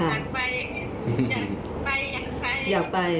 อยากไปอยากไป